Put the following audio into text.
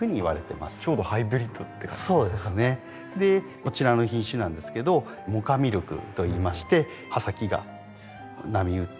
こちらの品種なんですけど萌花ミルクといいまして葉先が波打って。